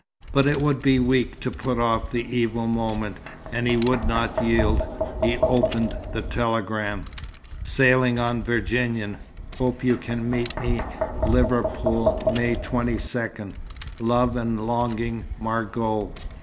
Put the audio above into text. But it would be weak to put off the evil moment, and he would not yield. He opened the telegram. "Sailing on Virginian. Hope you can meet me Liverpool May 22nd. Love and longing. Margot."